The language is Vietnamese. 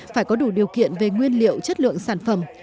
phải có đủ điều kiện về nguyên liệu chất lượng sản phẩm